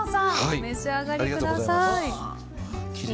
お召し上がりください。